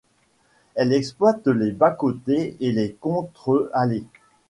Elle exploite les bas-côtés et les contre-allées.